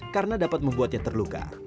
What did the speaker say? karena dapat membuatnya terluka